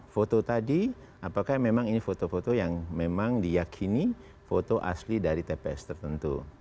foto tadi apakah memang ini foto foto yang memang diyakini foto asli dari tps tertentu